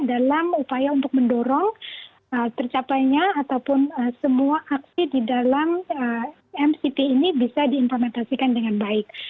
dalam upaya untuk mendorong tercapainya ataupun semua aksi di dalam mct ini bisa diimplementasikan dengan baik